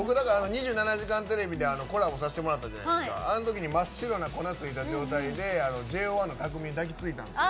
「２７時間テレビ」でコラボさせてもらったじゃないですかあのときに真っ白な粉がついた状態でＪＯ１のたくみに抱きついたんですよ。